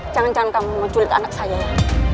jangan jangan kamu menculik anak saya ya